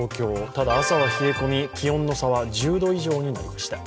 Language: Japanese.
ただ朝は冷え込み、気温の差は１０度以上になりました。